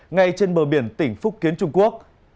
ngay trên bờ biển tỉnh phúc kiến trung quốc